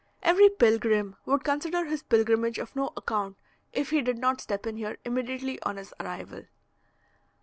Every pilgrim would consider his pilgrimage of no account if he did not step in here immediately on his arrival.